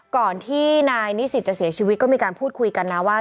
ก่อนที่นายนิสิตจะเสียชีวิตก็มีการพูดคุยกันนะว่า